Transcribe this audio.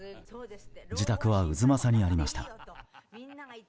自宅は太秦にありました。